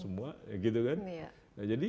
semua ya gitu kan nah jadi